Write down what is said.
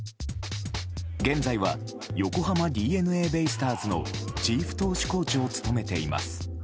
現在は横浜ＤｅＮＡベイスターズのチーフ投手コーチを務めています。